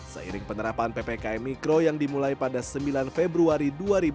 seiring penerapan ppkm mikro yang dimulai pada sembilan februari dua ribu dua puluh